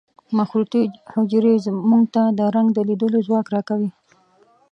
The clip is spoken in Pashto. مخروطي حجرې موږ ته د رنګ د لیدلو ځواک را کوي.